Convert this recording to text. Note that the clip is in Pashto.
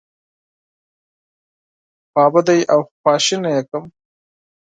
خپه او خواشینی یې کړم.